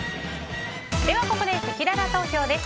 ここで、せきらら投票です。